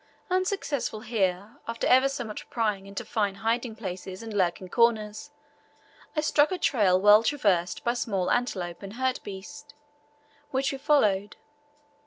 Unsuccessful here, after ever so much prying into fine hiding places and lurking corners, I struck a trail well traversed by small antelope and hartebeest, which we followed.